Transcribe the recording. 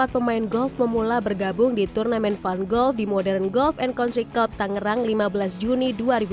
satu ratus empat puluh empat pemain golf memula bergabung di turnamen fun golf di modern golf country club tangerang lima belas juni dua ribu dua puluh dua